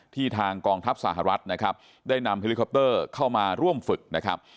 ทางกองทัพสหรัฐนะครับได้นำเฮลิคอปเตอร์เข้ามาร่วมฝึกนะครับ